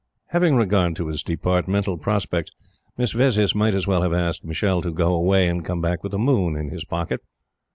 Having regard to his departmental prospects, Miss Vezzis might as well have asked Michele to go away and come back with the Moon in his pocket.